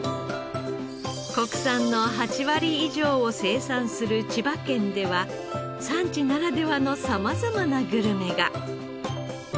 国産の８割以上を生産する千葉県では産地ならではの様々なグルメが。